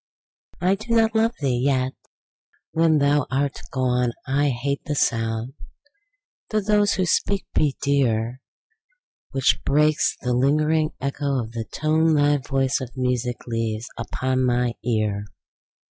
I do not love thee!—yet, when thou art gone, I hate the sound (though those who speak be dear) 10 Which breaks the lingering echo of the tone Thy voice of music leaves upon my ear.